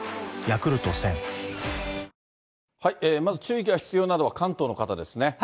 まず注意が必要なのは、関東の方ですね。